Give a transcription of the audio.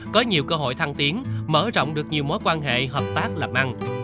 có nhiều cơ hội thăng tiến mở rộng được nhiều mối quan hệ hợp tác làm ăn